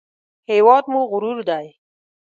هېواد مو غرور دی